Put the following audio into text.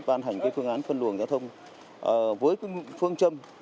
ban hành phương án phân luồng giao thông với phương châm